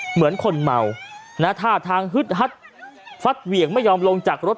เหมือนคนเมานะท่าทางฮึดฮัดฟัดเหวี่ยงไม่ยอมลงจากรถ